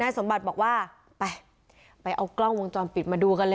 สมบัติบอกว่าไปไปเอากล้องวงจรปิดมาดูกันเลย